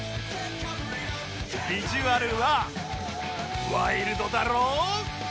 ビジュアルはワイルドだろぉ